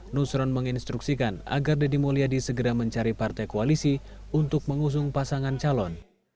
nusron menginstruksikan agar deddy mulyadi segera mencari partai koalisi untuk mengusung pasangan calon